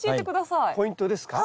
ポイントですか？